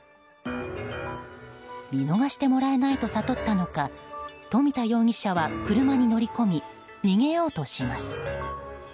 見逃してもらえないと悟ったのか冨田容疑者は車に乗り込み逃げようとします。